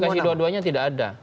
dikasih dua duanya tidak ada